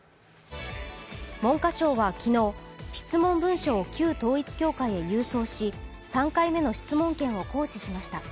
文科省は昨日、質問文書を旧統一教会へ郵送し３回目の質問権を行使しました。